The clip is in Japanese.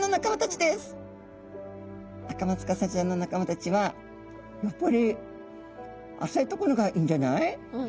アカマツカサちゃんの仲間たちは「やっぱり浅い所がいいんじゃない？」。